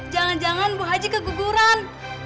jangan jangan bu haji keguguran